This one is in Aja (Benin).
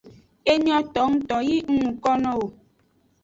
Enyo tongto yi ng nuko nowo.